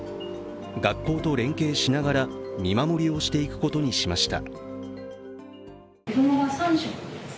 学校と連携しながら見守りをしていくことにしました。